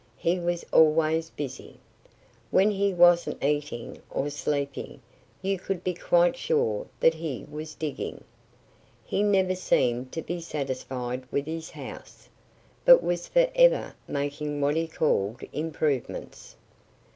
He was always busy. When he wasn't eating or sleeping you could be quite sure that he was digging. He never seemed to be satisfied with his house, but was forever making what he called "improvements."